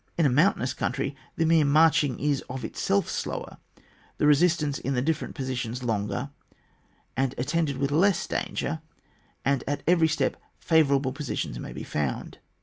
In a mountainous country the mere marching is of itself slower, the resistance in the different positions longer, and attended with less danger, and at every step fa vourable positions may be foimd.